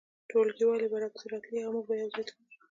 ټولګیوالې به راپسې راتلې او موږ به یو ځای تلو